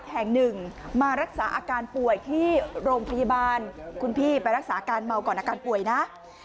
หลวงพยาบาลคุณพี่ไปรักษาการเมาก่อนอาการป่วยนะ